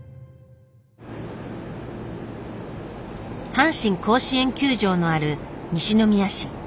阪神甲子園球場のある西宮市。